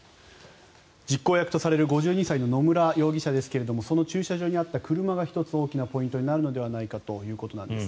実行役とされる５２歳の野村容疑者ですがその駐車場にあった車が１つ大きなポイントになるのではないかということです。